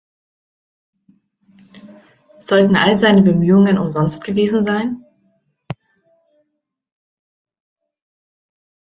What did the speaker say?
Sollten all seine Bemühungen umsonst gewesen sein?